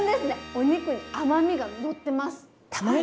お肉に甘みがのってますはい。